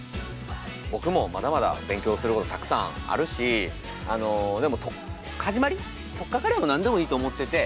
僕もまだまだ勉強することたくさんあるしでも始まりとっかかりは何でもいいと思ってて。